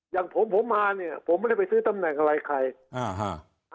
อย่างผมผมมาเนี่ยผมไม่ได้ไปซื้อตำแหน่งอะไรใครอ่าฮะ